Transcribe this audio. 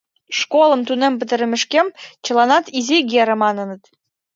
Школым тунем пытарымешкем, чыланат Изи Гера маныныт.